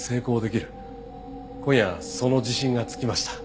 今夜その自信がつきました。